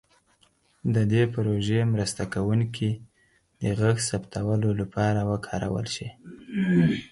د دې پروژې مرسته کوونکي د غږ ثبتولو لپاره وکارول شي.